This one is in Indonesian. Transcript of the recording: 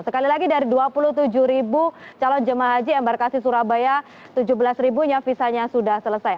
sekali lagi dari dua puluh tujuh ribu calon jemaah haji embarkasi surabaya tujuh belas ribunya visanya sudah selesai